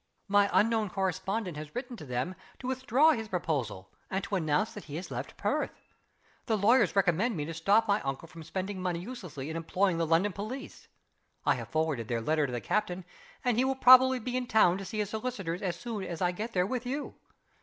My unknown correspondent has written to them to withdraw his proposal, and to announce that he has left Perth. The lawyers recommended me to stop my uncle from spending money uselessly in employing the London police. I have forwarded their letter to the captain; and he will probably be in town to see his solicitors as soon as I get there with you.